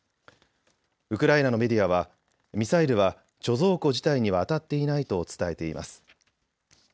ウクライナのメディアはミサイルは貯蔵庫自体には当たっていないと伝えています。